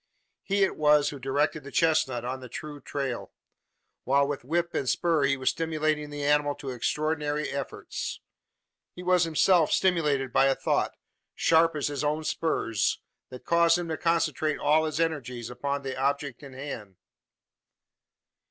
He it was who directed the chestnut on the true trail; while with whip and spur he was stimulating the animal to extraordinary efforts. He was himself stimulated by a thought sharp as his own spurs that caused him to concentrate all his energies upon the abject in hand.